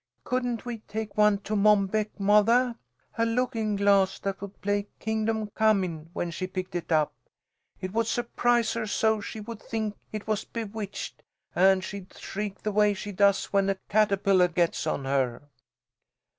"Couldn't we take one to Mom Beck, mothah? A lookin' glass that would play 'Kingdom Comin', when she picked it up? It would surprise her so she would think it was bewitched, and she'd shriek the way she does when a cattapillah gets on her."